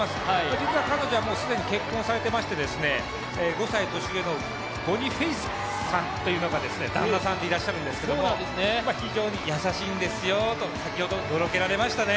実は彼女は既に結婚されていましてね、５歳年上の旦那さんがいらっしゃるんですけと非常に優しいんですよと先ほどのろけられましたね。